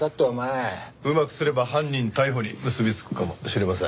うまくすれば犯人逮捕に結びつくかもしれません。